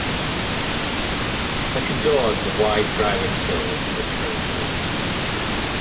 Such a dog the wise driver kills, or turns loose.